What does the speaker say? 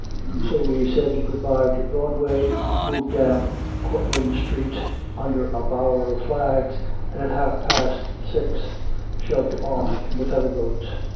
So we said good by to Broadway, moved down Cortlandt Street under a bower of flags, and at half past six shoved off in the ferry boat.